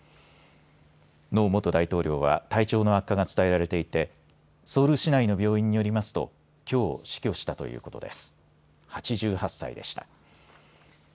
ノ元大統領は体調の悪化が伝えられていてソウル市内の病院によりますときょう死去したということです。